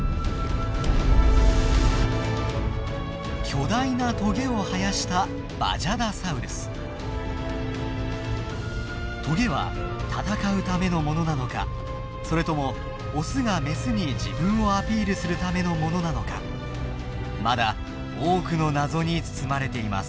巨大なトゲを生やしたトゲは戦うためのものなのかそれともオスがメスに自分をアピールするためのものなのかまだ多くの謎に包まれています。